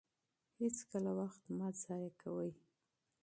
هېڅکله وخت مه ضایع کوئ.